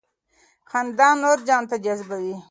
خندا نور ځان ته جذبوي.